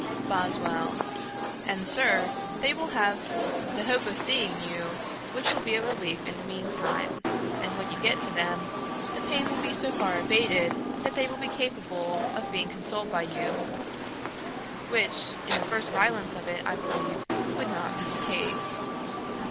BOSWELL. 'And Sir, they will have the hope of seeing you, which will be a relief in the mean time; and when you get to them, the pain will be so far abated, that they will be capable of being consoled by you, which, in the first violence of it, I believe, would not be the case.'